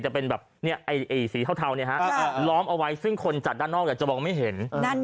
เหมือนกับไอ้สีเทาเนี่ยครับล้อมเอาไว้ซึ่งคนจัดด้านนอกจะบอกไม่เห็น